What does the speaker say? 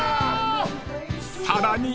［さらに］